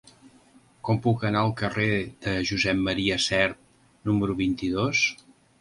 Com puc anar al carrer de Josep M. Sert número vint-i-dos?